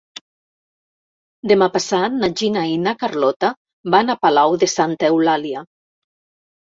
Demà passat na Gina i na Carlota van a Palau de Santa Eulàlia.